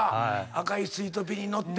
『赤いスイートピー』に乗って。